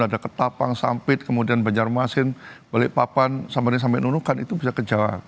ada ketapang sampit kemudian banjarmasin balikpapan samari sampai nunukan itu bisa ke jawa